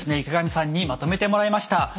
池上さんにまとめてもらいました。